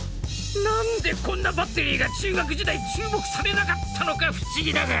何でこんなバッテリーが中学時代注目されなかったのか不思議だが。